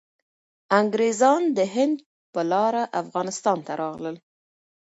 انګریزان د هند په لاره افغانستان ته راغلل.